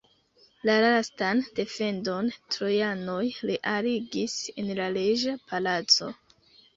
La lastan defendon trojanoj realigis en la reĝa palaco.